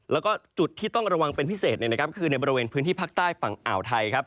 แล้วก็จุดที่ต้องระวังเป็นพิเศษคือในบริเวณพื้นที่ภาคใต้ฝั่งอ่าวไทยครับ